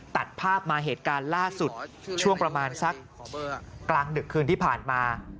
ตัดภาพมาเหตุการณ์ล่าสุดช่วงประมาณสักกลางดึกคืนที่ผ่านมา